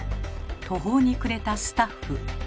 途方に暮れたスタッフ。